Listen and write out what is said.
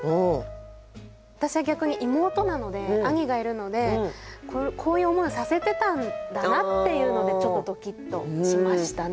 私は逆に妹なので兄がいるのでこういう思いをさせてたんだなっていうのでちょっとドキッとしましたね。